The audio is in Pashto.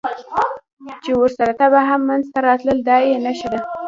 چې ورسره تبه هم منځته راتلل، دا یې نښه ده.